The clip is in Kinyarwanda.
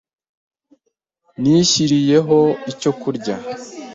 Nishyiriyeho icyo kurya .